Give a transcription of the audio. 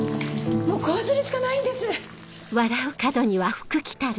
もうこうするしかないんです。